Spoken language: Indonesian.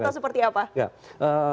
atau seperti apa